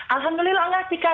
alhamdulillah enggak sih kak